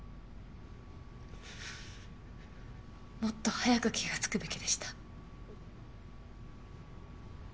もっと早く気がつくべきでした。